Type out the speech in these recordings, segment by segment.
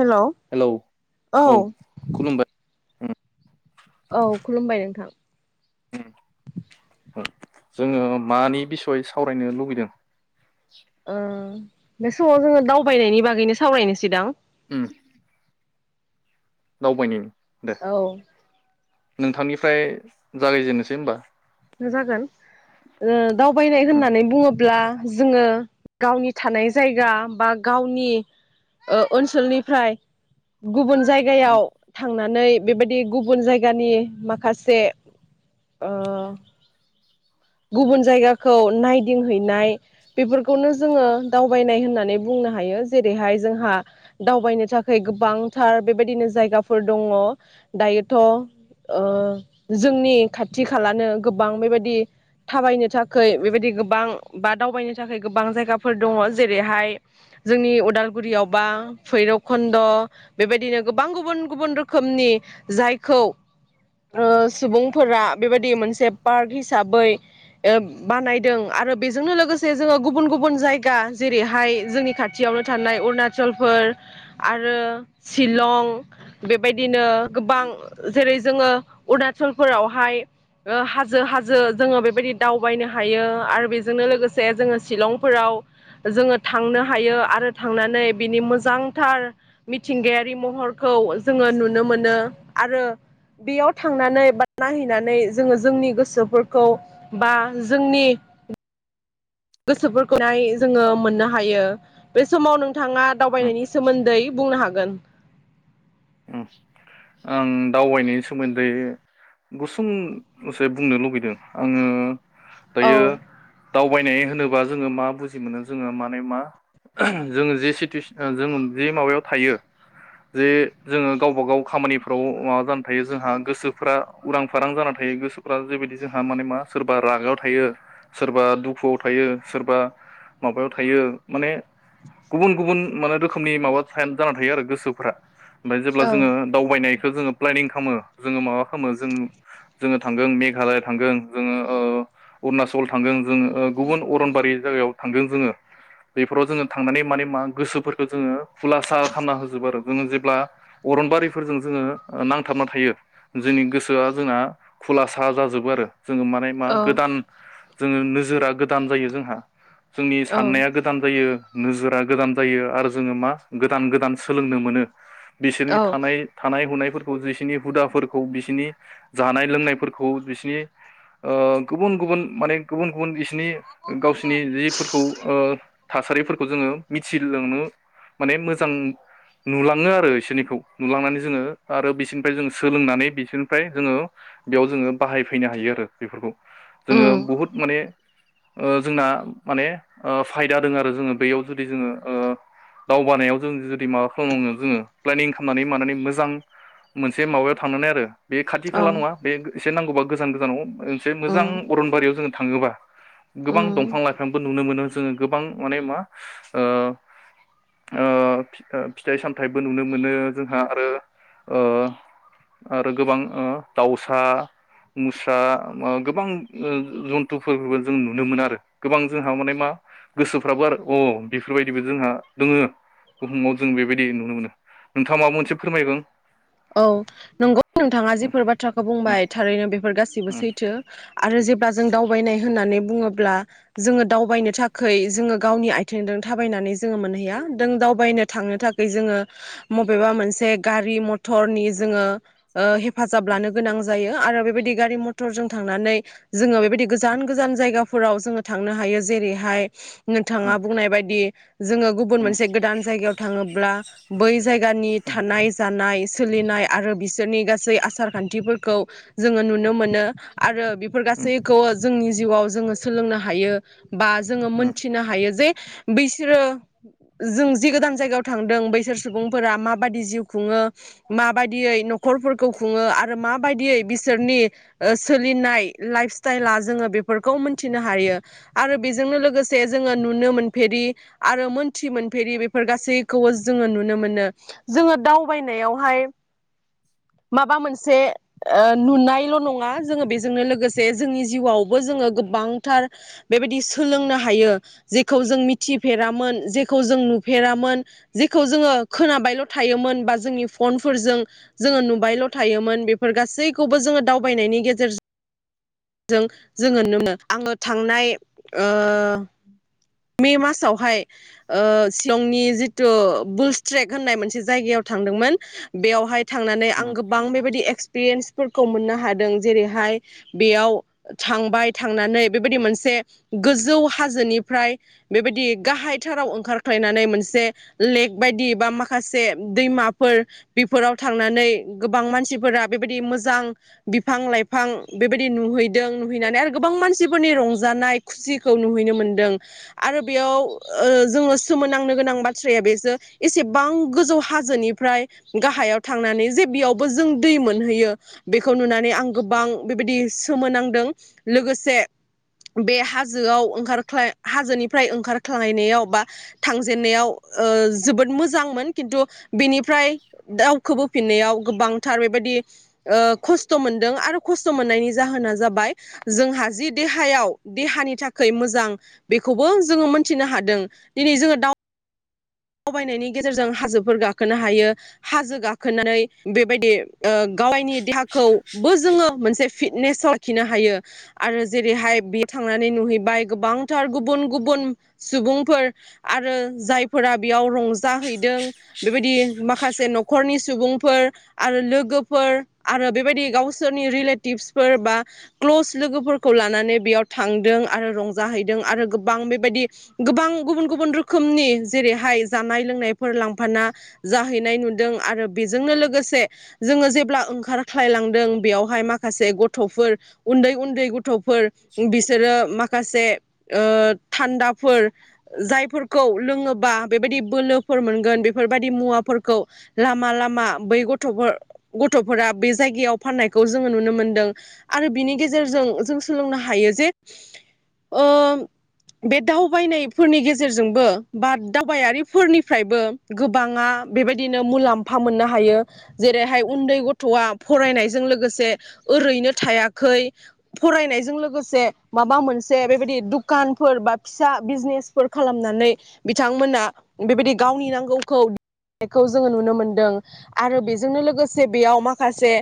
Hello hello औ खुलुमबाय ओम। औ खुलुमबाय नोंथां। उम उम जोङो मानि बिसय सावरायनो लुबैदों। ओ बे समाव जोङो दावबायनायनि बागैनो सावरायनोसै दां? उम दावबायनायनि। दे औ। नोंथांनिफ्राय जागायजेनोसै होमबा। जागोन। दावबायनाय उम होननानै बुङोब्ला जोङो गावनि थानाय जायगा बा गावनि ओनसोलनिफ्राय गुबुन उम जायगायाव थां थांनानै बेबायदि गुबुन जायगानि माखासे ओ गुबुन जायगाखौ नायदिंहैनाय बेफोरखौनो जोङो दावबायनाय होननानै बुंनो हायो। जेरैहाय जोंहा दावबायनो थाखाय गोबांथार बेबायदिनो जायगाफोर दङ दायोथ ओ जोंनि खाथि खालानो गोबां बेबायदि थाबायनो थाखाय बेबायदि गोबां बा दावबायनो थाखाय गोबां जायगाफोर दङ जेरैहाय जोंनि उदालगुरियाव बा भैरबकन्द बेबायदिनो गोबां गुबुन गुबुन रोखोमनि जायखौ ओ सुबुंफोरा बेबायदि मोनसे पार्क हिसाबै बानायदों आरो बेजोंनो लोगोसे जोङो गुबुन गुबुन जायगा जेरैहाय जोंनि खाथियावनो थानाय अरुणाचलफोर आरो शिलं बेबायदिनो गोबां जेरै जोङो अरुणाचलफोरावहाय हाजो हाजो जोङो बे बेबायदि दावबायनो हायो आरो बेजोंनो लोगोसे जोङो शिलंफोराव जोङो थांनो हायो आरो थांनानै बिनि मोजांथार मिथिंगायारि महरखौ जोङो नुनो मोनो आरो बेयाव थांनानै बा नायहैनानै जोङो जोंनि गोसोफोरखौ बा जोंनि गोसोफोरखौहाय जोङो मोननो हायो बे समाव नों नोंथाङा उम दावबायनायनि सोमोन्दै बुंनो हागोन। आं दावबायनायनि सोमोन्दै गुसुंसे बुंनो लुबैदों आङो। औ दायो। दावबायनाय होनोबा जोङो मा बुजि मोनो जोङो माने मा जोङो जे सिटुेसन जों जे माबायाव थायो जे जोङो गावबा गाव खामानिफ्राव माबा जानानै थायो जोंहा गोसोफ्रा उरां फारां जानानै थायो गोसोफ्रा जेबायदि जोंहा माने मा सोरबा रागायाव थायो, सोरबा दुखुआव थायो, सोरबा माबायाव थायो माने गुबुन गुबुन माने रोखोमनि माबा जाना थायो आरो गोसोफ्रा। ओमफ्राय जेब्ला औ जोङो दावबायनाय जोंङो प्लेनिं खामो जोंङो माबा खामो जों थांगोन मेघाल थ ज अणच जोङो गुबुन अरनबारि जायगायाव। थांदों जोङो बेफोराव जोङो थांनानै माने मा गोसोफोरखौ जोङो खुलासा खालामना होजोबो आरो जोङो जेब्ला। अरनबारिफोरजों जोङो नांथाबना थायो जोंनि गोसोआ जोंना खुलासा जाजोबो आरो। जोङो माने मा औ गोदान। जोङो नोजोरा गोदान जायो जोंहा। जोंनि साननाया औ गोदान जायो। नोजोरा गोदान जायो आरो जोङो मा गोदान गोदान सोलोंनो मोनो। बिसोरनि औ थानाय थानाय। बिसोरनि हुदा फोरखौ बिसोरनि जानाय लोंनाय फोरखौ बिसोरनि ओ गुबुन गुबुन माने गुबुन गुबुन। बिसिनि गावसोरनि जिफोरखौ। थासारिफोरखौ जोङो मिथिलांनो माने मोजां नुलाङो आरो। बिसोरनिखौ नुलांनानै जोङो आरो बिसोरनिफ्राय जोङो सोलोंनानै बिसोरनिफ्राय जोङो बेयाव जोङो बाहायफैनो हायो आरो बेफोरखौ। जोङो उम बुहुत माने ओ जोंना माने ओ फायदा दोङो आरो जोङो बेयाव जुदि जोङो ओ दावगानायाव जों जुदि माबा खालामो जोङो। प्लेनिं खामनानै मानानै मोजां मोनसे माबायाव थांनानै आरो बे खाथि औ खाला नङा बे एसे नांगौबा गोजान गोजानाव मोनसे मोजां उम अरनबारियाव जों थाङोबा गोबां उम दंफां लाइफांबो नुनो मोनो। जों गोबां अने मा ओ ओ फिथाइ सामथाइ बो नुनो मोनो जोंहा आरो ओ आरो गोबां ओ दाउसा मुस्रा गोबां जन्थुफोरबो जों नुनो मोनो आरो गोबां जोंहा माने मा गोसोफ्राबो आरो अ बेफोरबायदिबो जोंहा दोङो बुहुमाव जों बेबायदि नुनो मोनो। नोंथाङा माबा मोनसे फोरमायगोन? औ नंगौ नोंथाङा जिफोर बाथ्राखौ उम बुंबाय थारैनो बेफोर गाससिबो उम सैथो आरो जे ब्ला जों दावबायनाय होना नानै बुङोब्ला जोङो दावबायनो थाखै जोङो गावनि आथिंदों थाबायनानै जोङो मोनहैया दों दावबायनो थांनो थाखै जोङो मबेबा मोनसे गारि म थरनि जोङो ओ हे फाजाब लानो गोनां जायो। आरो बेबायदि गारि मटरजों थांनानै जोङो बेबायदि गोजान गोजान जायगाफोराव जोङो थांनो हायो ‌। जेरैहाय नोंथाङा बुंनाय बायदि जोङो गुबुन उम मोनसे गोदान जायगायाव थाङोब्ला बै जायगानि थानाय, जानाय सोलिनाय आरो बिसोरनि गासै आसार खान्थिफोरखौ जोङो नुनो मोनो आरो बेफोर उम गासैखौबो जोंनि जिउआव जोङो सोलोंनो हायो। बा जोङो उम मोनथिनो हायो जे बैसोरो जों जि गोदान जायगायाव थांदों बैसोर सुबुंफोरा माबादि जिउ खुङो माबायदियै न'खरफोरखौ खुङो आरो माबायदियै बिसोरनि ओ सोलिनाय लाइफ स्टाइला जोङो बेफोरखौ मोनथिनो हायो आरो बेजोंनो लोगोसे जोङो नुनो मोनफेरि आरो मोनथि मोनफेरि बेफोर गासैखौबो जोङो नुनो मोनो। जोङो दावबायनायाव हाय माबा मोनसे नुनायल' नङा जोङो बेजोंनो लोगोसे जोंनि जिउआवबो जोङो गोबांथार बेबायदि सोलोंनो हायो जेखौ जों मिथिफेरामोन जेखौ जों नुफेरामोन जेखौ जोङो खोनाबायल' थायोमोन बा जोंनि फनफोरजों जोङो नुबायल' थायोमोन बेफोर गासैखौबो जोङो दावबायनायनि गेजेरजों जोङो नुनो आङो थांनाय ओ मे मासावहाय शलंनि जिथु बुल्स ट्रेक होननाय मोनसे जायगायाव थांदोंमोन बेयावहाय थांनानै आं उम उम गोबां बेबायदि एक्सपिरियेन्स फोरखौ मोननो हादों जेरैहाय बेयाव थांबाय थांनानै बेबायदि मोनसे गोजौ हाजोनिफ्राय बेबायदि गाहायथाराव ओंखारख्लायनानै मोनसे लेक बायदि बा माखासे दैमा फोर बेफोराव थांनानै गोबां मानसिफोरा बेबायदि मोजां बिफां लाइफां बेबायदि नुहैदों नुहैनानै आरो गोबां मानसिफोरनि रंजानाय खुसिखौ नुहैनो मोनदों आरो बेयाव ओ जोङो सोमोनांनो गोनां बाथ्राया बेसो एसेबां गोजौ हाजोनि फ्राय गाहायाव थांनानै जे बेयावबो जों दै मोनहैयो बेखौ नुनानै आं गोबां बेबायदि सोमोनांदों लोगोसे बे हाजोआव ओंखारख्ला हाजोनिफ्राय ओंखारख्लायनायाव बा थांजेननायाव ओ जोबोद मोजांमोन खिन्थु बेनि फ्राय दावखोबो फिननायाव गोबांथार बेबायदि ओ खस्थ' मोनदों आरो खस्थ' मोननायनि जाहोना जाबाय जोंहा जि देहायाव देहानि थाखै मोजां बेखौबो जोङो मोनथिनो हादों दिनै जोङो दाव वबायनायनि गेजेरजों हाजोफोर गाखोनो हायो। हाजो गाखोनानै ओ बेबायदि गावायनि देहाखौबो जोङो मोनसे फिटनेस लाखिनो हायो आरो जेरैहाय बे थांनानै नुहैबाय गोबांथार गुबुन गुबुन सुबुंफोर आरो जाय फोरा बेयाव रंजाहैदों बेबायदि माखासे न'खरनि सुबुंफोर आरो लोगोफोर आरो बेबायदि गावसोरनि रिलेटिबसफोर बा क्लस लोगोफोरखौ लानानै बेयाव थांदों आरो रंजाहैदों आरो गोबां बेबायदि गोबां गुबुन गुबुन रोखोमनि जेरैहाय जानाय लोंनायफोर लांफाना जाहैनाय नुदों आरो बेजोंनो लोगोसे जोङो जेब्ला ओंखारख्लायलांदों बेयावहाय माखासे गथफोर उन्दै-उन्दै गथ' फोर बिसोरो मा खासे ओ थान्दाफोर जायफोरखौ लोंङो बा बेबायदि बोलोफोर मोनगोन बेफोरबायदि मुवाफोरखौ लामा लामा बै गथफोर गथफोरा बे जायगायाव फाननायखौ जोङो नुनो मोनदों। आरो बिनि गेजेरजों जों सोलोंनो हायो जे ओ बे दावबायनायफोरनि गेजेरजोंबो बा दावबायारिफोरनिफ्रायबो गोबाङा बेबायदिनो मुलाम्फा मोननो हायो जेरैहाय उन्दै गथआ फरायनायजों लोगोसे ओरैनो थायाखै फरायनायजों लोगोसे माबा मोनसे बेबायदि दुखानफोर बा फिसा बिजनेसफोर खालामनानै बि थांमोना बेबायदि गावनि नांगौखौ जोङो नुनो मोनदों आरो बेजोंनो लोगोसे बेयाव माखासे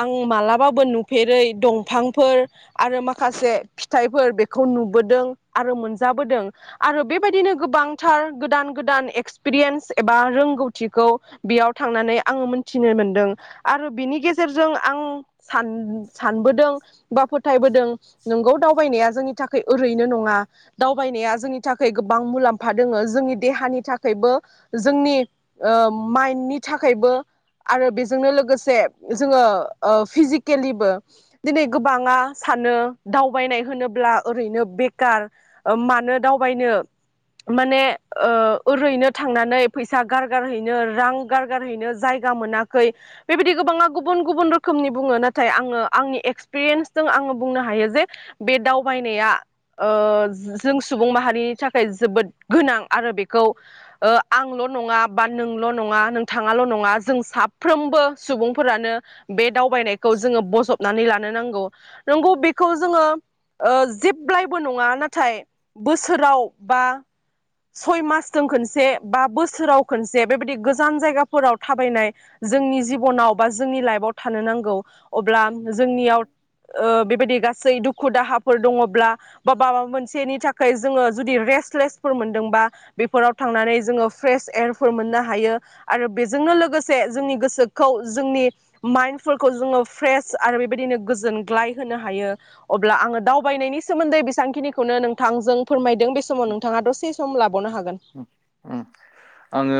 आं मालाबाबो नुफेरै दंफांफोर आरो माखासे फिथाइफोर बेखौ नुबोदों आरो मोनजाबोदों आरो बेबायदिनो गोबां थार गोदान गोदान एक्सपिरियेन्स एबा रोंगौथिखौ बेयाव थांनानै आङो मोनथिनो मोनदों आरो बिनि गेजेरजों आं सान-सानबोदों बा फोथायबोदों नोंगौ दावबायनाया जोंनि थाखाय ओरैनो नङा दावबायनाया जोंनि थाखाय गोबां मुलाम फा दङो जोंनि देहानि थाखायबो जोंनि माइन्न्दनि थाखायबो आरो बेजोंनो लोगोसे जोङो फिजिकेलिबो दिनै गोबाङा सानो दावबायनाय होनोब्ला ओरैनो बेखार मानो दावबायनो माने ओ ओरैनो थांनानै फैसा गारगारहैनो रां गारगारहैनो जायगा मोनाखै बेबायदि गोबाङा गुबुन गुबुन रोखोमनि बुङो नाथाय आङो आंनि एक्सपिरियेन्सजों आङो बुंनो हायो जे बे दावबायनाया ओ जों सुबुं माहारिनि थाखाय जोबोद गोनां आर बे दावबायनायखौ जोङो बज' नानै लानो नांगौ। नंगौ बेखौ जोङो जेब्लायबो नङा नाथाय बोसोराव बा सय मासजों खनसे बा बोसोराव खनसे बेबायदि गोजान जायगाफोराव थाबायनाय जोंनि जिबनाव बा जोंनि लाइफआव थानो नांगौ अब्ला जोंनियाव ओ बेबायदि गा गासै दुखु दाहाफोर दङब्ला बा माबा मोनसेनि थाखाय जोङो जुदि रेस्टलेसफोर मोनदोंबा बेफोराव थांनानै जोङो फ्रेस एयारफोर मोननो हायो आरो बेजोंनो लोगोसे जोंनि गोसोखौ जोंनि माइन्डफोरखौ जोङो फ्रेस आरो बेबायदिनो गोजोनग्लाय होनो हायो अब्ला आङो दावबायनायनि सोमोन्दै बेसेबांखिनिखौनो नोंथांजों फोरमाय दों बे समाव नोंथाङा दसे सम लाबावनो हागोन। ओ ओम आङो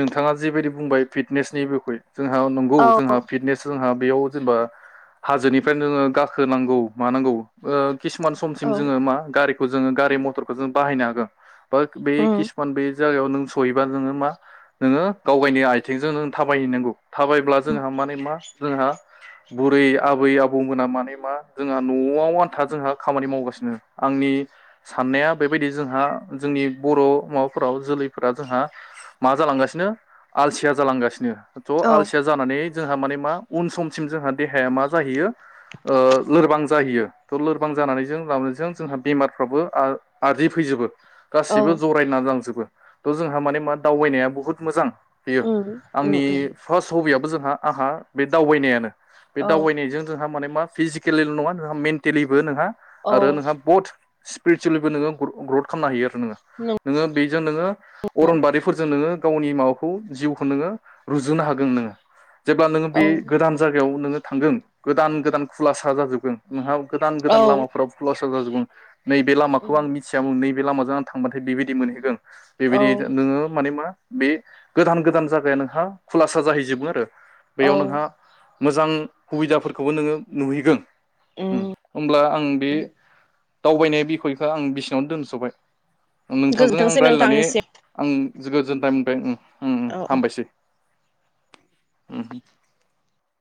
नोंथाङा जिबायदि बुंबाय फिटनेसनि बिखय जोंहा नंगौ औ जोंहा फिटनेस जोंहा बेयाव जेनेबा हाजोनिफ्रायनो नोङो गाखोनांगौ मानांगौ ओ किसुमान औ समसिम जोङो मा गारि खौ जोङो गारि मथरखौ जों बाहायनो हागो बो बे किसुमान बे। जायगायाव नों सहैबा नोङो मा नोङो गाव गावनि आथिंजों नों थाबायहैनांगौ। थाबायब्ला जोंहा माने मा। जोंहा बुरै आबै आबौमोना माने मा जोंहा नआव आन्था जोंहा खामानि मावगासिनो आंनि साननाया बेबायदि जोंहा। जोंनि बर माबाफोराव जोलैफोरा जोंहा मा जालांगासिनो आलसिया जालांगासिनो। थ औ आलसिया जानानै जोंहा माने मा उन समसिम जोंहा देहाया मा जाहैयो ओ लोरबां जाहैयो थ लोरबां जानानै ज ज जोंहा बेमारफ्राबो आरजि फैजोबो। गासिबो जरायना लांजोबो थ जोंहा माने मा दावबायनाया बुहुत मोजां। बेयो आंनि फार्स्ट हबियाव। जोंहा आंहा बे दावबायनायानो। बे औ दावबायनायजों जोंहा माने। मा फिजिकेलिल नङा नोंहा मेन्टेलिबो नोंहा। औ आरो नोंहा बुहद। स्पिसेलिबो नोंङो ग्रद। खालामनो हायो। नोंङो बेजों नोंङो नंगौ अरन बारिफोरजों नोंङो। गावनि माबाखौ जिउखौ नोंङो रुजुनो हागोन नोंङो। जेब्ला नोंङो बे औ गोदान जायगायाव नोंङो। थांदों गोदान गोदान खुलासा जाजोबगोन नोंहा। गोदान औ गोदान लामाफ्राव। [inaudible] नैबे लामाखौ आं मिथियामोन नैबे। बे लामाजों आं थांबाथाय बेबायदि मोनहैगोन। औ बेबायदि नोंङो माने मा। बे गोदान गोदान जायगाया नोंहा खुलासा जाहैजोबो आरो। औ बेयाव नोंहा। मोजां सुबिदाफोरखौबो नोंङो नुहैगोन। होमब्ला आं बे। दावबायनाय बिखयखौ आं बिसिनियावनो दोनथबाय। नोंथांजों आं गोजोनथोंसै रायज्लायनानै नोंथांनिसिम आं। गोजोननाय मोनबाय। औ औ हामबायसै। उम।